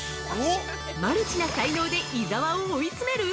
◆マルチな才能で伊沢を追い詰める！？